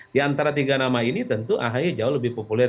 di antara tiga nama ini tentu ahy jauh lebih populer